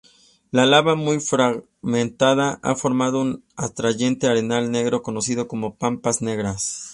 La lava muy fragmentada ha formado un atrayente arenal negro, conocido como "Pampas Negras".